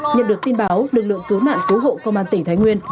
nhận được tin báo lực lượng cứu nạn cứu hộ công an tỉnh thái nguyên